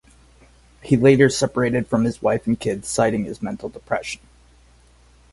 He later separated from his wife and kids citing his mental depression.